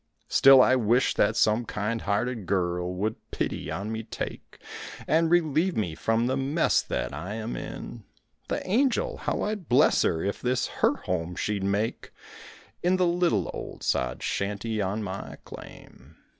Still, I wish that some kind hearted girl would pity on me take And relieve me from the mess that I am in; The angel, how I'd bless her if this her home she'd make In the little old sod shanty on my claim.